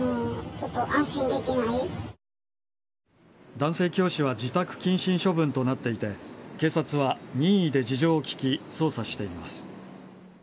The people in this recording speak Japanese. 男性教師は自宅謹慎処分となっていて警察は任意で事情を聴き捜査しています。